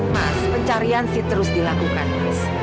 mas pencarian sih terus dilakukan mas